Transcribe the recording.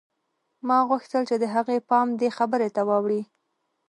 ما غوښتل چې د هغې پام دې خبرې ته واوړي